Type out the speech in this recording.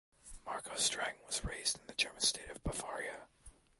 Marco Streng was raised in the German state of Bavaria.